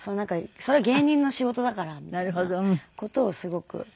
それは芸人の仕事だからみたいな事をすごく。